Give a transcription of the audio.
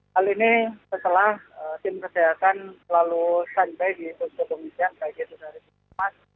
hal ini setelah tim kesehatan lalu sampai di pusat komisian baik itu dari bumat